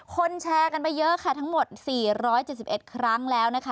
แชร์กันไปเยอะค่ะทั้งหมด๔๗๑ครั้งแล้วนะคะ